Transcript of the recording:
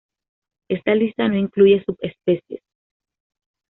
Esta lista no incluye subespecies.